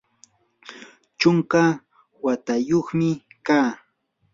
chunka watayuqmi kaa.